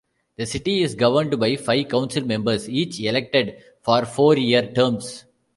The city is governed by five council members each elected for four-year terms.